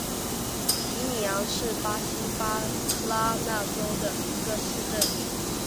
皮尼扬是巴西巴拉那州的一个市镇。